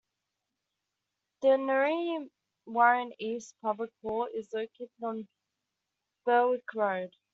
The Narre Warren East public hall is located on Berwick Road.